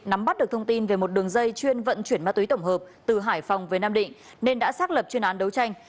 nắm bắt được thông tin về một đường dẫn